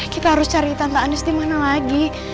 kita harus cari tante anis dimana lagi